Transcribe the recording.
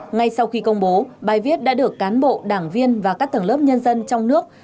ngay sau khi công bố bài viết đã được cán bộ đảng viên và các tầng lớp nhân dân trong nước